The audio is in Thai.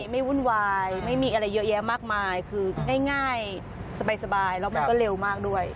วุ่นวายไม่มีอะไรเยอะแยะมากมายคือง่ายสบายแล้วมันก็เร็วมากด้วย